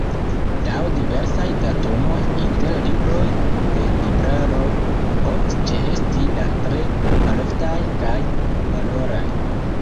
Laŭ diversaj datumoj, inter libroj de Libraro povis ĉeesti la tre maloftaj kaj valoraj.